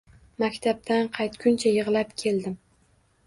Maktabdan qaytguncha yig`lab keldim